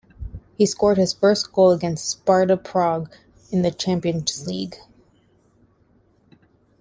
He scored his first goal against Sparta Prague in the Champions League.